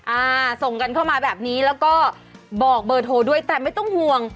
อ่าส่งกันเข้ามาแบบนี้แล้วก็บอกเบอร์โทรด้วยแต่ไม่ต้องห่วง